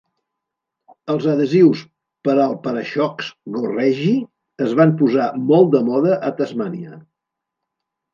Els adhesius per al para-xocs "Go Reggie" es van posar molt de moda a Tasmania.